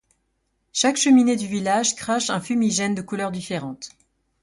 Chaque cheminée du village crache un fumigène de couleur différente.